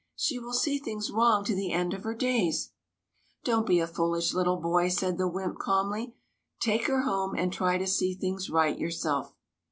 She will see things wrong to the end of her days !'*" Don't be a foolish little boy," said the wymp, calmly. "Take her home and try to see things right yourself."